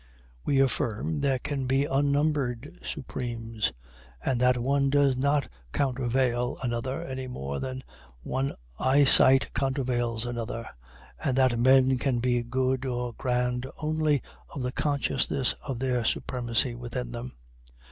We affirm there can be unnumber'd Supremes, and that one does not countervail another any more than one eyesight countervails another and that men can be good or grand only of the consciousness of their supremacy within them.